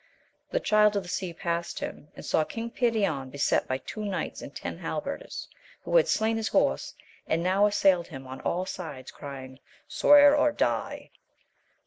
The Child of the Sea passed him, and saw King Perion beset by two knights and ten halberders, who had slain his horse, and now assailed him on all sides, crying. Swear or die.